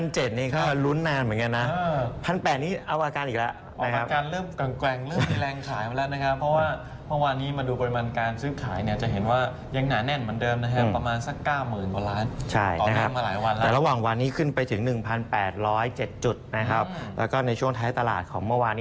แต่ในช่วงวันนี้ขึ้นไปถึง๑๘๐๗จุดนะครับแล้วก็ในช่วงท้ายตลาดของเมื่อวานนี้